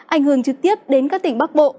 ảnh hưởng trực tiếp đến các tỉnh bắc bộ